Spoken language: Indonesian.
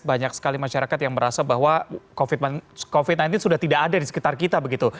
banyak sekali masyarakat yang merasa bahwa covid sembilan belas sudah tidak ada di sekitar kita begitu